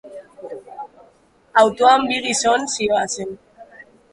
Autoan bi gizon zihoazen.